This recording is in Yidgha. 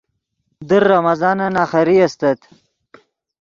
در رمضانن آخری استت